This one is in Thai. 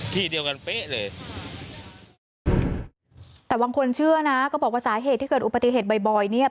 ที่เดียวกันเป๊ะเลยแต่บางคนเชื่อนะก็บอกว่าสาเหตุที่เกิดอุบัติเหตุบ่อยบ่อยเนี้ย